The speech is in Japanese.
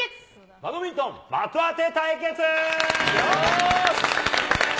バドミントン的当て対決。